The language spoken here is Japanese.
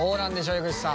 江口さん。